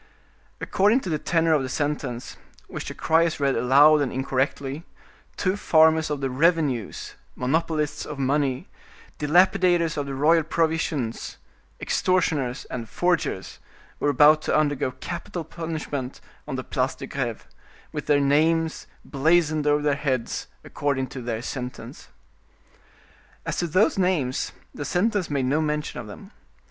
According to the tenor of the sentence, which the criers read aloud and incorrectly, two farmers of the revenues, monopolists of money, dilapidators of the royal provisions, extortioners, and forgers, were about to undergo capital punishment on the Place de Greve, with their names blazoned over their heads, according to their sentence. As to those names, the sentence made no mention of them.